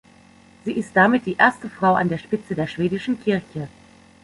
Sie ist damit die erste Frau an der Spitze der Schwedischen Kirche.